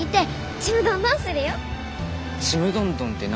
ちむどんどんって何？